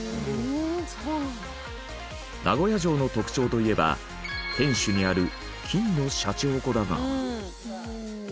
名古屋城の特徴といえば天守にある金のシャチホコだが。